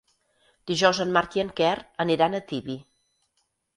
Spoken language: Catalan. Dijous en Marc i en Quer aniran a Tibi.